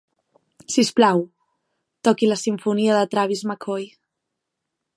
Si us plau, toqui la simfonia de Travis Mccoy